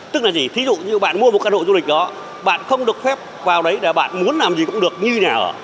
tức là gì thí dụ như bạn mua một căn hộ du lịch đó bạn không được phép vào đấy để bạn muốn làm gì cũng được như nào